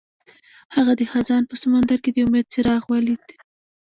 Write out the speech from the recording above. هغه د خزان په سمندر کې د امید څراغ ولید.